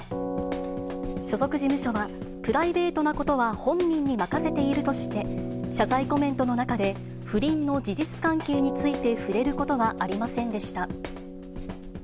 所属事務所は、プライベートなことは本人に任せているとして、謝罪コメントの中で、不倫の事実関係について触れることはありませんでした。